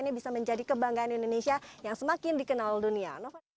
ini bisa menjadi kebanggaan indonesia yang semakin dikenal dunia